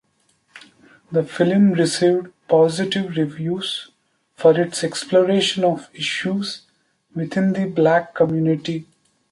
The film received positive reviews for its exploration of issues within the black community.